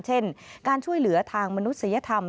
เช่นการช่วยเหลือทางมนุษยธรรม